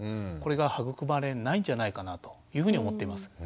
これが育まれないんじゃないかなというふうに思っています。